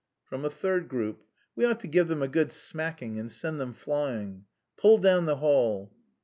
From a third group: "We ought to give them a good smacking and send them flying." "Pull down the hall!"